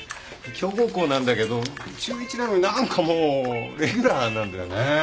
強豪校なんだけど中１なのに何かもうレギュラーなんだよね。